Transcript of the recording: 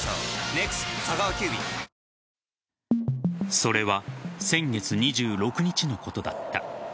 それは先月２６日のことだった。